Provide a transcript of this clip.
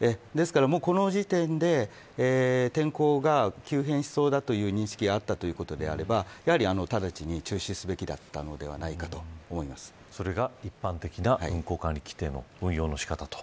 ですから、もうこの時点で天候が急変しそうだという認識があったということであれば直ちに中止すべきだったのではそれが一般的な運航管理規程の運用の仕方と。